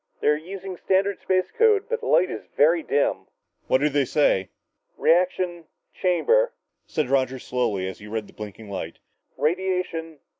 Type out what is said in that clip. They're using standard space code, but the light is very dim." "What do they say?" "... reaction ... chamber " said Roger slowly as he read the blinking light, "... radiation